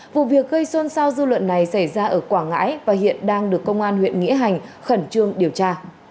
vụ việc gây xôn xao dư luận này xảy ra ở quảng ngãi và hiện đang được công an huyện nghĩa hành khẩn trương điều tra